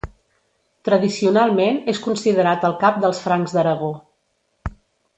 Tradicionalment és considerat el cap dels francs d'Aragó.